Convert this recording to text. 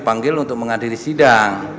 panggil untuk menghadiri sidang